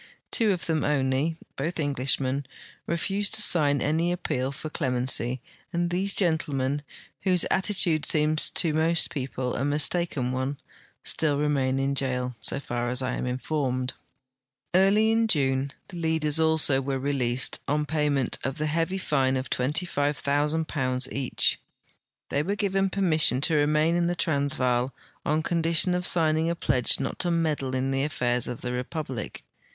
Tavo of them only, both Englishmen, refused to sign any appeal for clemency, and these gentlemen, Avhose attitude seems to most jAeople a mistaken one, still remain in jail, so far as I am informed. Early in June the leaders also Avere released, on payment of the heavy fine of £25,000 each. They Avere given permission to re main in the Transvaal on condition of signing a pledge not to meddle in the affairs of the republic.